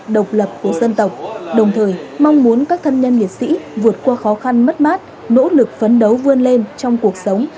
độc lập của dân tộc đồng thời mong muốn các thân nhân liệt sĩ vượt qua khó khăn mất mát nỗ lực phấn đấu vươn lên trong cuộc sống